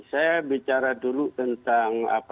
saya bicara dulu tentang